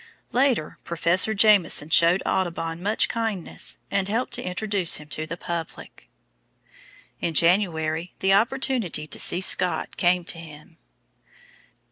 Later, Professor Jameson showed Audubon much kindness and helped to introduce him to the public. In January, the opportunity to see Scott came to him.